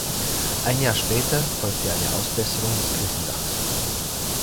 Ein Jahr später folgte eine Ausbesserung des Kirchendachs.